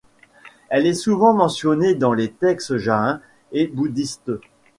Elle est souvent mentionnée dans les textes jaïns et bouddhistes.